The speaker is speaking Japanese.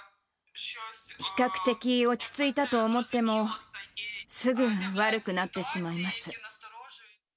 比較的落ち着いたと思っても、すぐ悪くなってしまいます。